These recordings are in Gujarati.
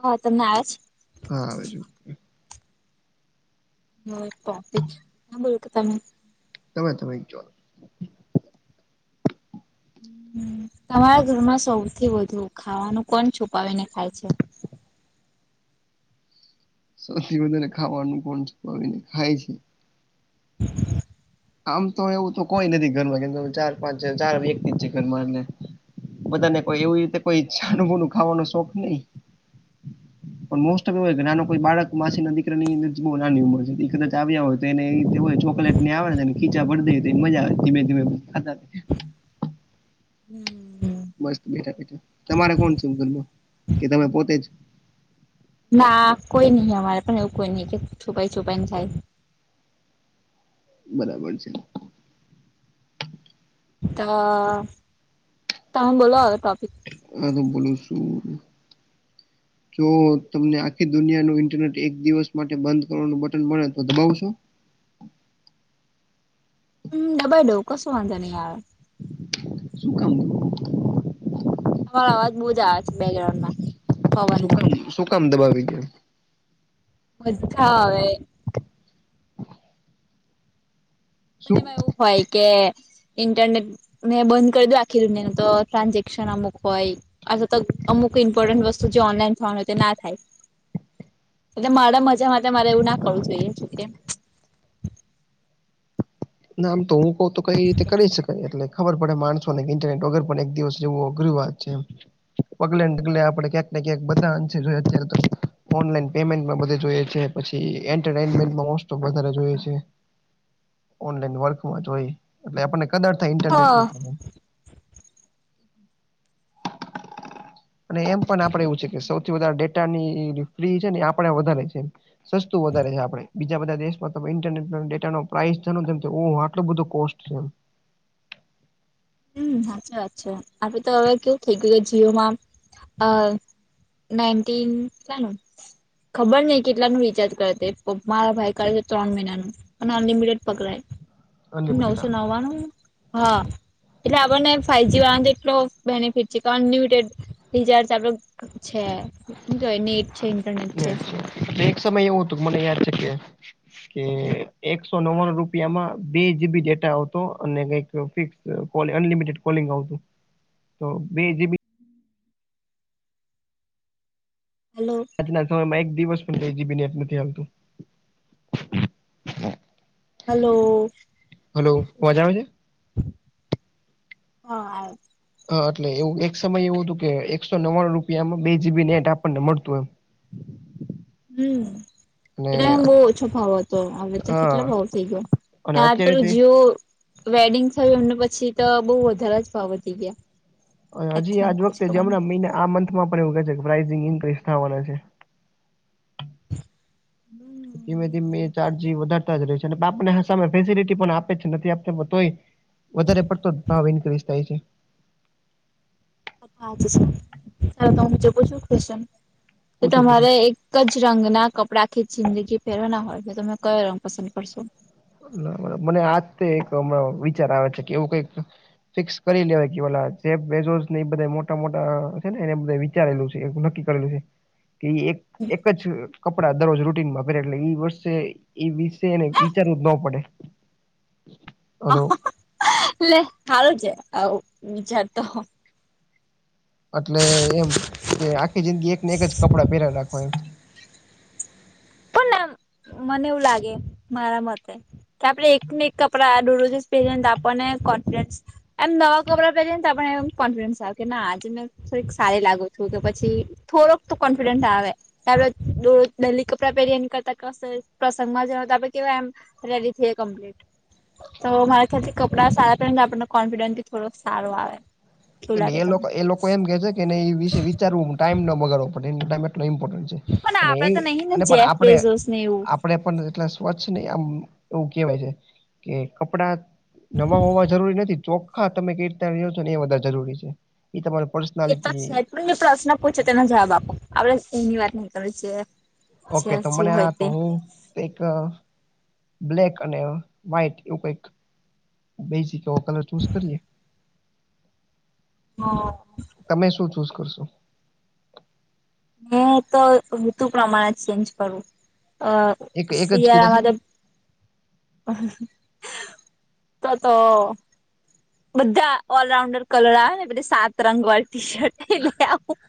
હા, તમને આજ હા, આવે જ. હ, પોપ એ બ તમે તમે? તમે? તમારા ઘરમાં સૌથી વધુ ખાવાનું કોણ છુપાવીને ખાય. સૌથી વધારે ખાવાનું કોણ છુંપાવી ને ખાય. આમ તો એવું તો કોઈ નથી, ઘરમાં કેમ ચાર-પાંચ છે, ચાર વ્યક્તિ જ છે ઘરમાં એ. બધાને કોઈ એવી રીતે કોઈ છાનુ મુનું ખાવાનો શોખ નહી. હ. પણ મોસ્ટ ઓફ એવ હોય કે, નાના કોઈ બાળક માસી ના દીકરા ની નાની ઉંમર છે, ઈ કદાચ આવ્યા હોય. એને એ તે હોય, ચોકલેટ ની આવે ને, ખીચા ભરી દીએ, મજા આવે ધીમે-ધીમે ખાતા. [unintelligible] મસ્ત બેઠા-બેઠા તમારે કોણ છે, ઘરમાં કે તમે પોતે જ? ના કોઈ નહી, અમારે પણ એવું કોઈ નહી કે, છુપાઈ છુપાઈ ને ખાય. બરાબર છે. ત તમે બોલો હવે ટોપિક? હા, તો બોલો શું? [unintelligible] જો તમને આખી દુનિયા નું ઇન્ટરનેટ એક દિવસ માટે બંધ કરવાનું બટન મળે, તો દબાવશો. હું ડબાઈ દઉ, કશું વાંધો નય આવે. શું કામ? તમારો અવાજ બોજ આવે છે, બેગ્રાઉન્ડમાં. શું કામ? શું કામ? દબાવી દે. મજા આવે. શું ને એવું હોય કે, ઇન્ટરનેટ મેં બંધ કરી દઉ, આખી દુનિયાનું તો ટ્રાન્ઝેક્શન અમુક હોય. આથવા તો અમુક ઇમ્પોર્ટન્ટ વસ્તુ જે ઓનલાઈન થવાની હોય, તે ના થાય. એટલે મારા મજા માટે મારે એવું ના કરવું જોઈએ, જો કે ના, આમ તો હું કઉ તો કઈ રીતે કરી શકાય, એટલે ખબર પડે માણસો ને ઇન્ટરનેટ વગર, પણ એક દિવસ રેવું અઘરી વાત છે. પગલે ને ડગલે આપડે ક્યાંક ને ક્યાંક બધા અંશે જોઈએત્યારે તો ઓનલાઈન પેમેન્ટમાં બધે જોઈએ છે. પછી એન્ટરમેન્ટમાં મોસ્ટપ વધારે જોએ છેવ ઓનલાઈન વર્કમાં જોય એટલે આપણને કદાર થાય હ. ઇન્ટરનેટની. અને એમ પણ આપડે એવું છે કે સૌથી વધારે ડેટાની ફ્રી છે ને આપડે વધારે છે. સસ્તું વધારે છે આપડે બીજા બધા દેશમાં ઇન્ટરનેટ ડેટા પ્રાઇસ નો જોમ તો ઓહ આટલો બધો કોસ્ટ હું હછા અચ્છા આપ તોવે કવું થે ગ્યું છે જીઓમાં અ નાઇનન્ટીન નાનું ખબર નઈ કેટલાનું રિચાર્જ કરે તે મારા ભાઈ કરે છે ત્રણ મઇનાનું અને અનલિમિટેડ પકડાય અનલિમિટેડ નવસો આવે નવાણું હા. એટલે આપણને ફાઇવજી વાળાને તો એટલો બેનિફિટ છે કે અનલિમિટેડ રિચાર્જ આ છે કેવાય નેટ છે ઇન્ટરનેટ છે. ને એક સમય એવું હતું મને યાદ છે કે કે એકસો નવાણું રૂપિયામાં બે જીબી ડેટા આવતો અને કઈક ફિક્સ કોલ અનલિમિટેડ કોલિંગ આવતું તો બે જીબી હલો આજના સમયમાં એક દિવસ પણ બે જીબી નેટ નથી આવતું. હાલો, હલો અવાજ આવે છે? હ આવે છે હ એટલે એવું એક સમય એવું હતું કે એકસો નવ્વાણું રૂપિયામાં બે જીબી નેટ આપણને મળતું એમ. હું અને એટલે હું બો ઓછો ભાવ હતો હવે તો કેટલો હા ભાવ થઈ ગયો અને આ પેલો અત્યારેથી જીઓ વેડિંગસ થયું એમને પછી તો બઉ વધારે જ ભાવ વધી ગયા. આઈ હજી આજ થિંક પછી વખતે ખબર નહી જેમણાં મહિને આ મંથમાં પણ એવું કે છે કે પ્રઇસિંગ ઇન્ક્રીઝ થાવાના છે. ધીમે ધીમે ચાર્જી વધારતા જ રહસે ને બાપને સામે ફેસિલિટી પણ આપે છે નથી આપતા પણ તોય વધારે પડતો ભાવ ઇન્ક્રીઝ થાય છે. [inaudible] કે પૂછો પૂછો તમારે એક? ઐકજ રંગના કપડા આખી જિંદગી પેરવાના હોય તો તમે કયો રંગ પસંદ કરશો? મને આજતે એક હમણાં વિચાર આવે છે કે એવું કઈક ફિક્સ કરી લેવાય કે ઓલા જે બેજ્જો ને એ બધા મોટા મોટા અ છે [unintelligible] વિચારેલું છે એવું નક્કી કરેલું છે. કે ઈ એક એક જ કપડા દરરોજ રૂટીનમાં પેરે એટલે ઈ વર્ષે ઈ વિશે ને વિ વિચારવું જ ન પડે. ઓલું [unintelligible] લે હારું છે આવું વિચારતા હો અટલે એમ કે આખી જિંદગી એક ને એક જ કપડાં પહેરા રાખવા એમ એમ મને એવું લાગે મારા મતે કે આપણે એક ને એક કપરા દુરરોજ પહેરીને આપણને કોન્ફિડન્સ એમ નવા કપડા પહેરીએ ને તો આપણને કોન્ફિડન આવે કે ના આજ મે થોડીક સારી લાગુ છું કે પછી થોડોક તો કોન્ફિડન્ટ આવે [unintelligible] [unintelligible] કસે પ્રસંગમાં જતા આપણે કેવા એમ રેડી થેઈએ કમ્પ્લીટ. તો મારા ખ્યાલથી કપડાં સારા પેહરે ને તો આપણ ને કોન્ફિડન્સથી થોડોક સારો આવે. એવું લાગે [unintelligible] લોકો તમને એ લોકો એમ કે છે કેને એ વિશે વિચારવું ટાઈમ ના બગડવો પડે એનો ટાઈમ એટલો ઇમ્પોર્ન્ટ છે. પણ અને એ આપડે તો નહીં ને અને પણ જેફ આપણેે બેઝોસ ને એવું આપ આપડે પણ એટલા સ્વચ્છ નહી, આમ એવું કહેવાય છે કે કપડા નવો હોવા જરૂરી નથી. ચોખ્ખા તમે કેઈ રીતના રેવ છો ને એ બધારે જરૂરી છે. ઈ તમારો પરશ એ તો છે જ પણ મે પ્રશ્ન પૂછુ તેનો જવાબ આપો. આપણે એની વાત ની કરવી છે. ઓકે. છે જે તમને હોય તો તે હું. એક બ્લેક અને વ્હાઈટ એવું કઈક બેજીક એવો કલર ચૂઝ કરીએ. હ. તમે શું ચૂઝ કરશો? હું તો ઋતુ પ્રમાણે જ ચેન્જ કરું અ એક એક જ કીધા છે ને શિયાળામાં [unintelligible] તો તો બધા ઓલરાઉન્ડર કલર આવેને, બધી સાતરંગ વાળી ટી શર્ટ, તે લે આવું.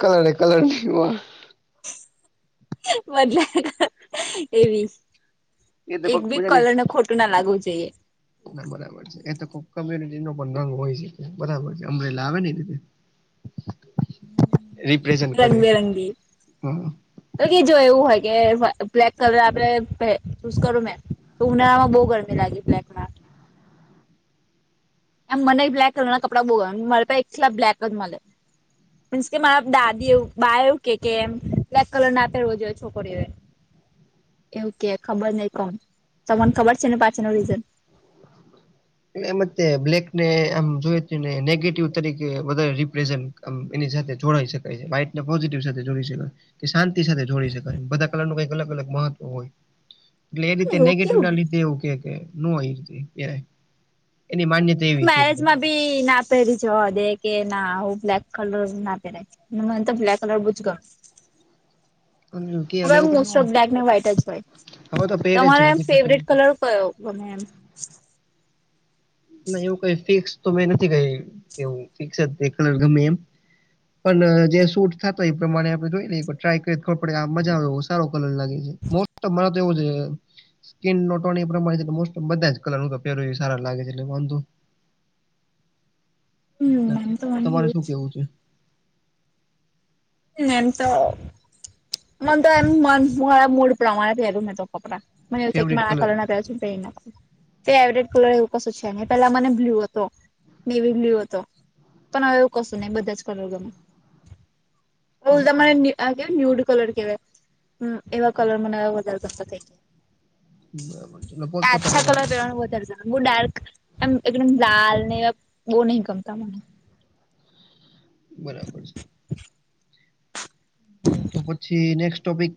કલરે કલર [unintelligible] [unintelligible] મજાક એવી. એ તો એક કોક બી મજા નઈ કલર ને, ખોટું ના લાગવું જોઈએ. ના, બરાબર. એ તો ખુબ કમ્યુનિટી નો પણ રંગ હોય શકે બરાબર છે, અમરેલા આવે ને એ રીતે. રિપ્રેઝન્ટ કરે રંગબેરંગી. હા તો એજ જો એવું હોય કે, બ્લેક કલર આપણે પે ચૂઝ કરું મે. તો ઉનાળામાં બો ગરમી લાગે, બ્લેકમાં. એમ મનેય બ્લેક કલર ના કપડા બો ગમે, મારા પાહે આખા બ્લેક જ મલે. મીન્સ કે, મા-દાદી એવું બા એવું કે, કે એમ બ્લેક કલર ના પેરવો જોઈ છોકરીઓએ. એવું કે, ખબર નહીં કોણ તમન ખબર છે ને, પાછળ નો રીઝન. ને, એમ જ કે બ્લેક ને આમ જોય છે ને, નેગેટિવ તરીકે વધારે રિપ્રેઝન આમ એની સાથે જોડાઈ શકાય છે, વાઇટને પોઝિટિવ સાથે જોડી શકાય. કે, શાંતિ સાથે જોડી શકાય બધા કલર નું કઈક અલગ-અલગ મહત્વ હોય. એટલે એ અને રીતે એવું નેગેટિવ કેવું ના લીધે એવું કે, કે નો હોય પેહરાય એની માન્ય મેરેજમાં ભી ના પહેરી જવા દે કે, ના હું બ્લેક કલર ના પહેરાય. ન, મન તો બ્લેક કલર બુજ ગ એવું કઈ હવે, ન મોસ્ટ ઓફ હોય બ્લેક એન્ડ વ્હાઈટ જ હોય, હવે તો પહેરે જ છે તમારા નથી ફેવરેટ કલર. કયો ગમે? એમ. નહીં, એવું કઈ ફિક્સ તો મે નથી કેહવું એવું ફિક્સ જ એક કલર ગમે એમ. પણ જે સૂટ થાતો, એ પ્રમાણે આપડે ટ્રાય કરીએ, ખબર પડે, આ મજા આવે, ઓ સારો કલર લાગે છે. તો, મારે તો એવું છે, સ્કીિન એ પ્રમાણે મોસ્ટ બધા જ કલર હું તો પેરુ ઈ સારા લાગે છે. ને વાંધો હમ એમ નથી, તો મને તમારે એવું શું જ કેવું છે? હ, એમ તો મને તો એમ મ મારા મૂડ પ્રમાણે પહેરું ને તો કપડાં. મને એવું થ કે મ ફેવરિટ આ કલર કના છ, ભ ના. ફવરેટ કલર એવું કશું છે, ને પેલા મને બ્લુ હતો, મેનેવી બ્લુ હતો. પણ હવે, કસો ન બધા જ કલર ગમે. ઉલતા મને ન્યૂડ કલર કેવાય એવા કલર મને વધારે કરતા થઇ ગયા. બરાબર છે એટલે એ પોત પોતાનો અચ્છા કલર પેરણ વધારે સારું. બો ડાર્ક એમ એકદમ લાલ ને, બહ નહિ ગમતા મને. બરાબર છે. [unintelligible] તો, પછી નેક્સ્ટ ટોપિક.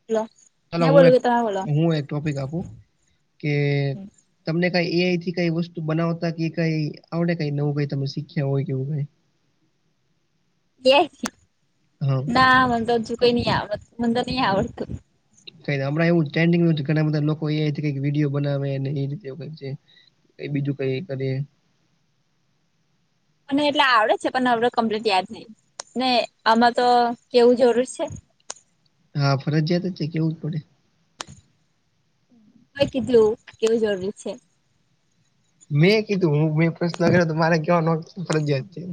[unintelligible] ચાલ હું એક કે તમે બોલો હું એક ટોપિક આપું કે તમને કઈ એ આઈથી કઈ વસ્તુ બનાવતા કઈ આવડ કઈ નવું કઈ તમે શીખ્યા હોય કે એવું કઈ. હા ના મ તોજું કઈ નહી આવડતું મ તો નહી આવડતું ક હમણા એવું ટ્રેન્ડિંગ ઘણા બધા લોકો એ આઈ થી કઈ વિડીયો બનાવે એ રીતે ક છે. ક બીજું કઈ કરે અને એટલે આવડે છે પણ આવડ કમ્પ્લીટ યાદ નહી ને આમાં તો કેવું જરૂર છે. હા ફરજિયાત જ છે કેવું જ પડે કોને કીધું કેવું જરૂરી છે. મેં કીધું હું મેં પ્રશ્ન કર્યો મારે કેવાનો ફરજયાત છે.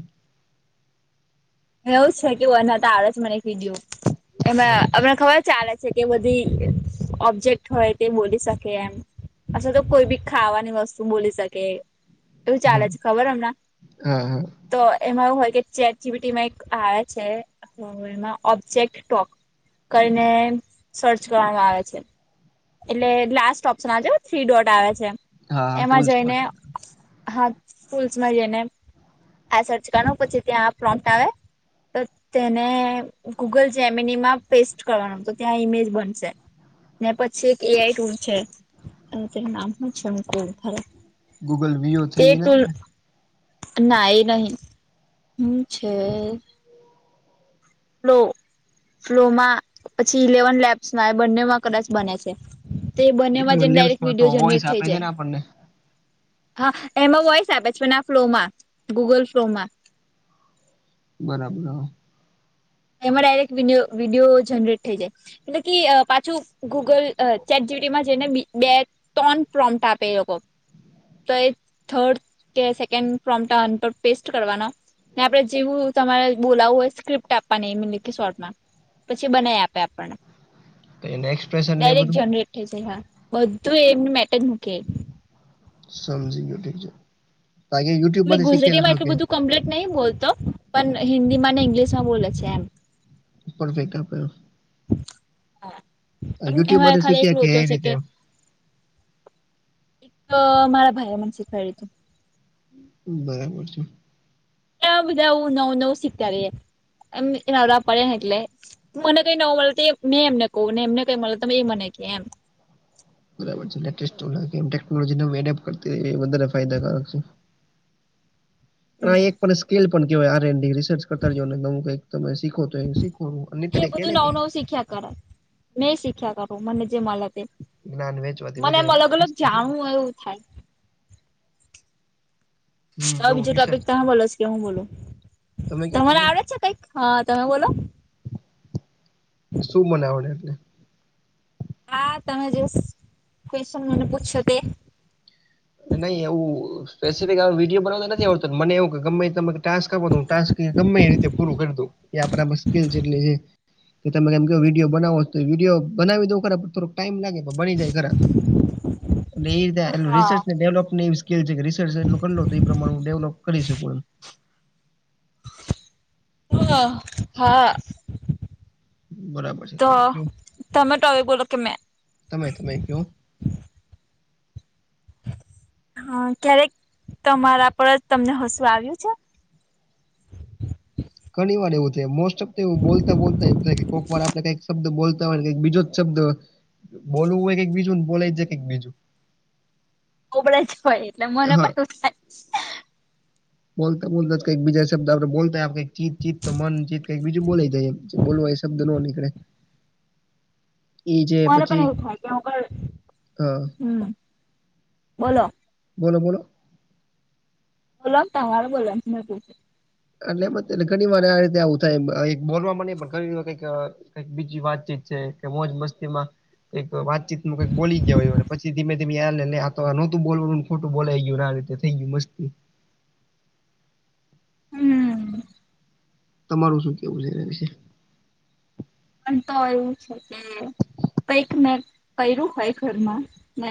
એવું છે કેુંન [unintelligible] જ મને કીધયું એમ આપને ખબર છે ચાલે કે બધી ઓબ્જેક્ટ હોય તે બોલી શકે એમ અચ્છા તો કોઈ બી ખાવાની વસ્તુ બોલી શકે એવું ચાલે હા છે ખબર હમણાં હા હા તો એમાં એવું હોય કે ચેટીબીટીમાં આવે છે. એમાં ઓબ્જેક્ટ ટોક કરીને સર્ચ કરવામાં આવે છે. એટલે લાસ્ટ ઓપ્શન આજ થ્રી ડોટ આવે છે હા એમાં ટૂલ્સ જઈને પાસે હા સ્કૂલ્સમાં જઈને હાય સર્ચ કરનું પછી ત્યાં પ્રોમપ આવે તો તેને ગૂગલ જેમનીમાં પેસ્ટ કરવાનું તો ત્યાં ઇમેજ બનશે ને પછી એક એ આઈ ટુલ છે હવે તેનું નામ હ છે [unintelligible] ગૂગલ વિયો તે થ્રી એ નથી ટૂલ ને ના એ નહી હમ છે. ફ્લો ફ્લોમાં પછી ઇલેવન લેબ્સમાં એ બંનેમાં કદાચ બને છે. તો એ બંનેમાં એટલે જને ડાયરેક્ટ લેબ્સમાં તો વિડીયો વોઇસ જનરેટ થઈ આપે છે જાય ને આપણને હા એમાં વોઇસ આપે છે ને આ ફ્લો માં ગુગલ ફ્લો માં બરાબર એમાં ડાયરેક્ટ વિડિઓ વિડીયો જનરેટ થઈ જાય એટલે કે પાછું ગૂગલ ચેટજીપેટી જઈને બે ત્રણ [unintelligible] આપે એ લોકો તો એ થર્ડ કે સેકન્ડ ફોમટાન પર પેસ્ટ કરવાના ને આપડણે જેવું તમારે બોલાવવું હોય સ્ક્ર્રીપ્ટ આપ અને લખી શોર્ટમાં પછી બનાવી આપે આપણને તો એને એક્સપ્રેશન ને એ ડાયરેક્ટ બધું જનરેટ થઈ જાય હા બધું એમનું મેટ મૂકે સમજી ગયો ઠીક છે [unintelligible] મેમે ગુજરાતી શીખ્યા માં હશો એટલું કે બધું કમ્પ્લીટ નહી બોલતો પણ હિન્દી ઇંગ્લિશમાં બોલે છે એમ પરફેક્ટ આપ્યો હા પણ યુટ્યુબ એમાં માંથી ખાલી શીખ્યા કે એકલું એ રીતે [unintelligible] તો મારા ભાઈલા મને શીખવા્યું હતું બરાબર છે. બધા એવું નવું નવું શીખતા રએ એમ એ આવા પડે ને એટલે મને કઈ નવુ મલે તો એ મેં એમને કહું ને એમને કઈ મલે ત એ મને ક એમ બરાબર છે. [unintelligible] ટેકનોલોજીને વેડફ કરતી વધારે ફાયદાકારક છે. આ હમ એક પણ સ્કેલ પણ કેવાય આર રિસર્ચ કરતા જ ને ક તમે શીખો તો શીખવુ [unintelligible] શીખ્યા કરાય મે શીખ્યા કરું મને જે મલે તે જ્ઞાન વેચવાથી મને વધે એમ અલગ અલગ વેચતા જવું જાણવું એવું થાય. હમ તો નવું બીજો ટોપિક રિસર્ચ તમે બોલો છ કે હું બોલુ તમે કહો તમારે તમે આવડે છે કઈક હા તમે બોલો. શું મને આવડે એટલે? હા તમે જે કવેશ્ન મને પૂછ્યો તે? નહી એવું સ્પેસિફિક આ વિડીયો બનાવતા નથી આવડતો. મને એવું કે ગમે તમે ટાસ્ક આપો ટાસ્ક ગમે એ રીતે પૂરું કરી દઉ એ આપરા માં સ્કીલ જેટલી છે. કે તમે કેવ વિડીયો બનાવો તો વિડીયો બનાવી દઉ ખરા થોડોક ટાઈમ લાગે. બની જાય ખરા ને એ રીતે એનો રિસચ હા ડેવલપની એવી સ્કીલ છે કે રિસર્ચ એટલ કર લો તો એ પ્રમાને હું ડેવલપ કરી શકું એમ. હ હા બરાબર છે. તો ત્યારે કયું તમે ટોપિક બોલો કે મેં તમે તમે કવો? હા ક્યારેક તમારા પર જ તમને હસવું આવ્યું છે? ઘણી વાર એવું થાય મોસ્ટ ઓફ એવું બોલતા બોલતા એવું થાય કે કોક વાર આપણે કઈક શબ્દ બોલ તા હોય બીજો જ શબ્દ બોલવું હોય કક બીજુંને બોલાય જાય ક બીજું કોબડે જ હોય એટલે મને હા પણ એવુ થાય. બોલતા બોલતા કંઈક બીજા શબ્દ આપણે બોલતા ચીત ચીત તો મન ચીત કઈ બીજું બોલા જાય બોલવા એ શબ્દ ન નીકળે એ જે મારે પણ પછી એવું થાય કે હું હા પળ હમ બોલો? બોલો બોલો? બોલો તમારે બોલાવાનું મે પુછું? એટલે એ ઘણી વાર રીતે આવું થાય બોલવા નઈ પણ ઘણી વખત કઈક કઈક બીજી વાતચીત છે કે મોજ મસ્તી માં કઈક વાતચીત નું કઈક બોલી ગયા હોય અને પછી ધીમે નેને તો નહોતું બોલવુ ને ખોટું બોલાઈ ગયુંને આ રીતે થઈ ગયું મસ્તી હમ તમારું શું કેવું છે વિશે? પણ તો એવું છે કે કઈક મે કર્યું હોય ઘરમાં ને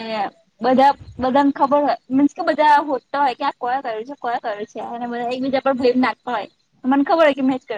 બધા બધાને ખબર હોય મીન્સ કે બધા હોદતા હોય કે આ કોયા કર્યું છે કોયા કર્યું છે અને બધા એક બીજા ભય નાખતા હોય તો મને ખબર હોય કે મેં જ કરયુ.